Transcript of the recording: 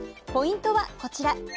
ポイントはこちら。